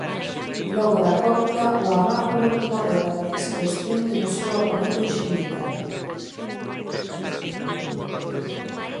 Logo da cópula o abáboro morre dado que se desprende o seu aparello xenital.